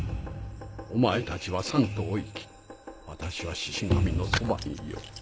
お前たちはサンとお行き私はシシ神のそばにいよう。